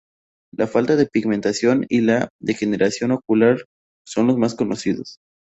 La falta de pigmentación y la degeneración ocular son los más conocidos.